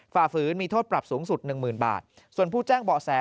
ฝ่าฝืนมีโทษปรับสูงสุดหนึ่งหมื่นบาทส่วนผู้แจ้งเบาะแส